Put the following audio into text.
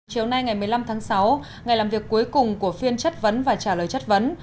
chiều nay ngày một mươi năm tháng sáu ngày làm việc cuối cùng của phiên chất vấn và trả lời chất vấn